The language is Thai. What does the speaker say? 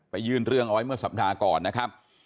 ยื่นเรื่องเอาไว้เมื่อสัปดาห์ก่อนนะครับ